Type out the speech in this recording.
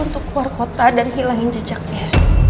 untuk keluar kota dan hilangin jejaknya